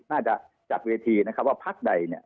น่าจะจากเวทีนะครับว่าพรรคใดเนี่ย